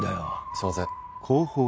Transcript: すいません。